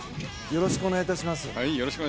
よろしくお願いします。